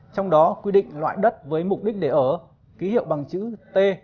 trong đó quy định loại đất với mục đích để ở ký hiệu bằng chữ t